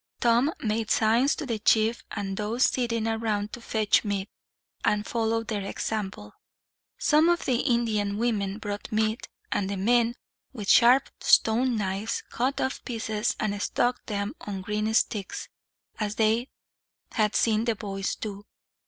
Tom made signs to the chief and those sitting round to fetch meat, and follow their example. Some of the Indian women brought meat, and the men, with sharp stone knives, cut off pieces and stuck them on green sticks, as they had seen the boys do.